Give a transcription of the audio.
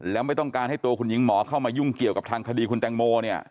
แล้วไม่ต้องการให้ตัวคุณหญิงหมอเข้ามายุ่งเกี่ยวกับทางคดีคุณแตงโมเนี่ย